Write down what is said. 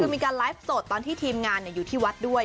คือมีการไลฟ์สดตอนที่ทีมงานอยู่ที่วัดด้วย